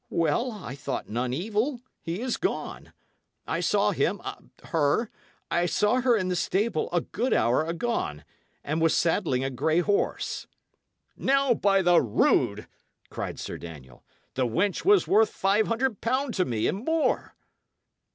"Well, I thought none evil. He is gone. I saw him her I saw her in the stable a good hour agone; 'a was saddling a grey horse." "Now, by the rood!" cried Sir Daniel, "the wench was worth five hundred pound to me and more."